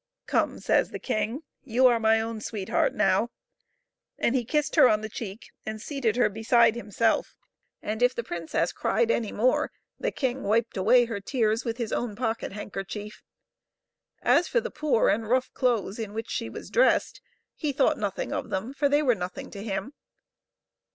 " Come," says the king, " you are my own sweetheart now ; and he kissed her on the cheek and seated her beside himself, and if the princess 278 HOW THE PRINCESS'S PRIDE WAS BROKEN, cried any more the king wiped away her tears with his own pocket hand kerchief. As for the poor and rough clothes in which she was dressed, he thought nothing of them, for they were nothing to him.